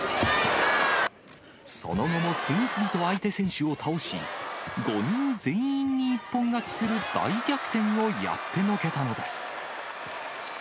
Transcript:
その後も次々と相手選手を倒し、５人全員に一本勝ちする大逆転をやってのけたのです。